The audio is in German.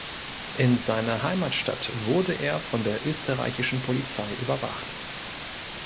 In seiner Heimatstadt wurde er von der österreichischen Polizei überwacht.